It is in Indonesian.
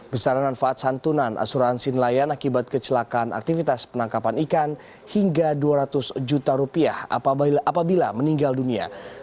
besaran manfaat santunan asuransi nelayan akibat kecelakaan aktivitas penangkapan ikan hingga dua ratus juta rupiah apabila meninggal dunia